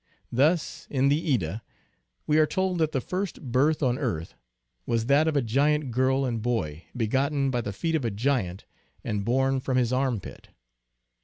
Thus, in the Edda we are told that the first birth on earth was that of a giant girl and boy, begotten by the feet of a giant and born from his arrnpit.